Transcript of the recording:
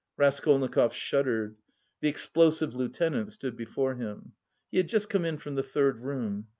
Raskolnikov shuddered. The Explosive Lieutenant stood before him. He had just come in from the third room.